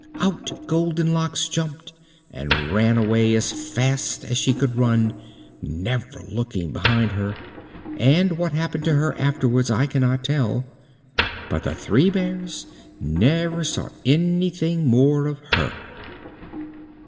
Out Goldenlocks jumped, and ran away as fast as she could run never looking behind her; and what happened to her afterwards I cannot tell. But the Three Bears never saw anything more of her.